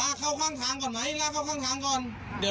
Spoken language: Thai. ไอ้ข้างทางนี้ดิ